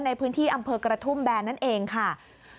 ในพื้นที่อำเภอกระทุ่มแบนนั่นเองค่ะ